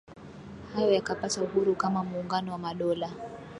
hayo yakapata uhuru kama Muungano wa Madola